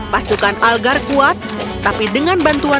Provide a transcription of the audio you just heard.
pasukan algar kuat tapi dengan bantuan